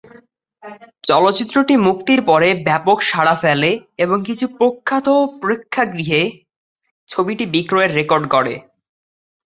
চলচ্চিত্রটি মুক্তির পরে ব্যাপক সাড়া ফেলে এবং কিছু প্রখ্যাত প্রেক্ষাগৃহে ছবিটি বিক্রয়ের রেকর্ড গড়ে।